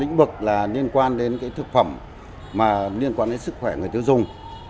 lĩnh vực liên quan đến thực phẩm liên quan đến sức khỏe người tiêu dùng